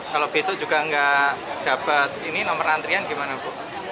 kalau besok juga nggak dapat ini nomor antrian gimana bu